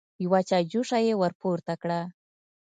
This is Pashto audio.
يوه چايجوشه يې ور پورته کړه.